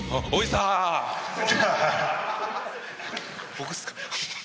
僕っすか？